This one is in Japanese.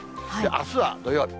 あすは土曜日。